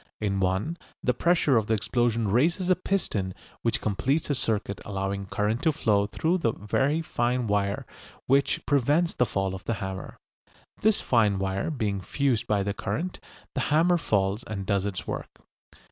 In one the pressure of the explosion raises a piston which completes a circuit allowing current to flow through the very fine wire which prevents the fall of the hammer. This fine wire being fused by the current, the hammer falls and does its work.